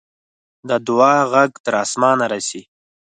د دعا ږغ تر آسمانه رسي.